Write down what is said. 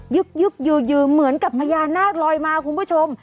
ึกอยู่เหมือนกับพญานาคลอยมาคุณผู้ชม